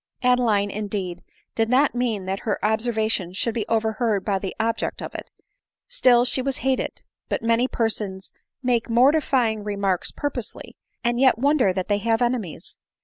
Adeline, in , deed, did not mean that her observation should be over heard by the object of it — still she was hated ; but many persons make mortifying. remarks purposely, and yet won der that they have enemies